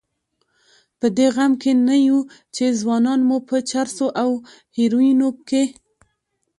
په دې غم کې نه یو چې ځوانان مو په چرسو او هیرویینو کې.